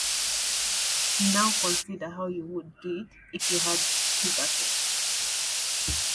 Now consider how you would do it if you had two buckets.